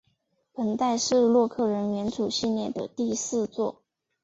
本代是洛克人元祖系列的第四作。